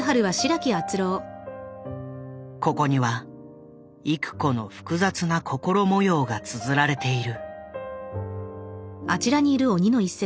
ここには郁子の複雑な心模様がつづられている。